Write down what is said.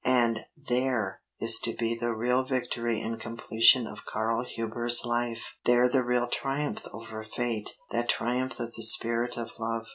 And there is to be the real victory and completion of Karl Hubers' life! there the real triumph over fate that triumph of the spirit of love.